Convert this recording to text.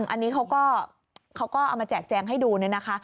อันนี้เขาก็เอามาแจกแจงให้ดูเนี่ยนะคะ